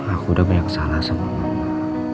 aku udah banyak salah sama mama